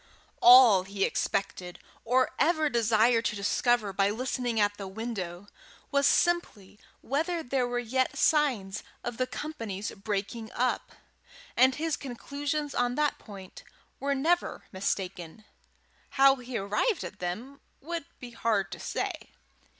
All he expected, or ever desired to discover, by listening at the window, was simply whether there were yet signs of the company's breaking up; and his conclusions on that point were never mistaken: how he arrived at them it would be hard to say.